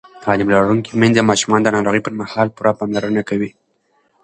تعلیم لرونکې میندې د ماشومانو د ناروغۍ پر مهال پوره پاملرنه کوي.